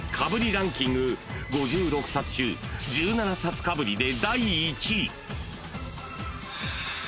ランキング５６冊中１７冊かぶりで］